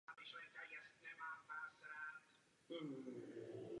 Hra je čtvrtým dílem v sérii.